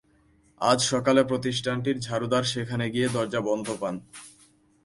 আজ সকালে প্রতিষ্ঠানটির ঝাড়ুদার সেখানে গিয়ে দরজা বন্ধ পান।